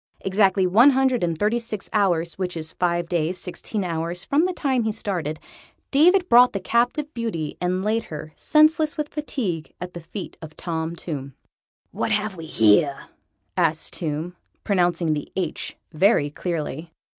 Exactly one hundred and thirty six hours which is five days sixteen hours from the time he started David brought the captive beauty and laid her, senseless with fatigue, at the feet of Tom Tomb. "What have we here?" asked Tomb, pronouncing the H very clearly.